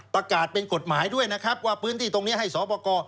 ประกาศเป็นกฎหมายด้วยนะครับว่าพื้นที่ตรงนี้ให้สอบประกอบ